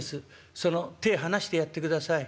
その手離してやってください。